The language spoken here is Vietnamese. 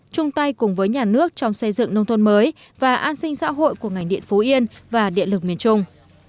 chung tay cùng với nhà nước trong xây dựng nông thôn mới và an sinh xã hội của ngành điện phú yên và điện lực miền trung